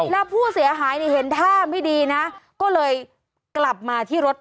แล้วผู้เสียหายเนี่ยเห็นท่าไม่ดีนะก็เลยกลับมาที่รถ